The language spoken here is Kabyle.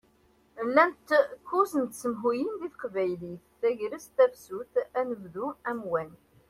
Llant kuẓ n tsemhuyin di teqbaylit: Tagrest, Tafsut, Anebdu, Amwan.